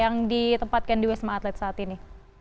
apakah yang diwesma atlet saat ini